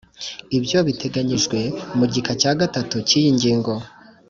Ibyo biteganyijwe mu gika cya gatatu cy’iyi ngingo